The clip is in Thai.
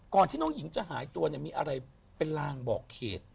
ที่น้องหญิงจะหายตัวเนี่ยมีอะไรเป็นลางบอกเขต